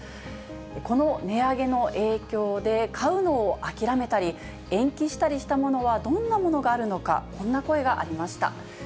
この値上げの影響で、買うのを諦めたり、延期したりしたものはどんなものがあるのか、こんな声がありました。